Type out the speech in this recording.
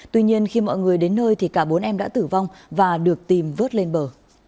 tuy nhiên khi mọi người đến nơi thì cả bốn em đã tử vong và được tìm vớt lên bờ